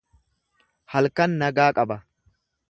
Halkan nagaa qaba.